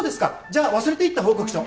じゃあ忘れていった報告書